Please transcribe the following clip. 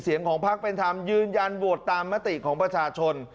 เสียงของพักเป็นธรรมยืนยันโหวตตามมติของประชาชน